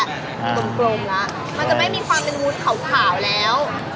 มันจะไม่มีความเป็นวุ้นขาวแล้ว